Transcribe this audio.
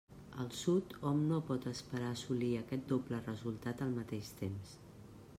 Al Sud hom no pot esperar assolir aquest doble resultat al mateix temps.